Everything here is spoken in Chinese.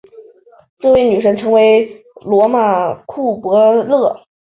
这位女神后来成为罗马的库柏勒。